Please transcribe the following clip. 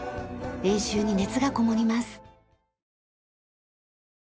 練習に熱がこもります。